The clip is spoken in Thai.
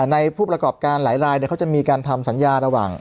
ในผู้ประกอบการหลายเขาจะมีการทำสัญญา